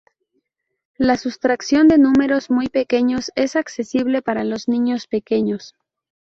La sustracción de números muy pequeños es accesible para los niños pequeños.